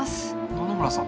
野々村さん。